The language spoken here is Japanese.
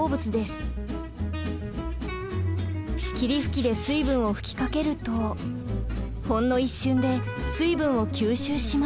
霧吹きで水分を吹きかけるとほんの一瞬で水分を吸収します。